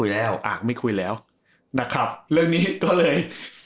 เรื่องนี้ก็เลย